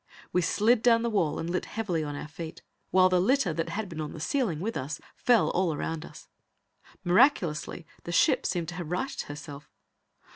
We slid down the wall and lit heavily on our feet, while the litter that had been on the ceiling with us fell all around us. Miraculously, the ship seemed to have righted herself.